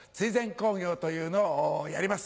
興行というのをやります。